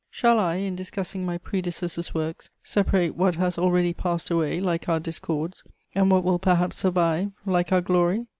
Shall I, in discussing my predecessor's works, separate what has already passed away, like our discords, and what will perhaps survive, like our glory?